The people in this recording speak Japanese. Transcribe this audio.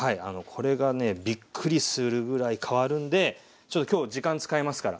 これがねびっくりするぐらい変わるんでちょっと今日時間使いますから。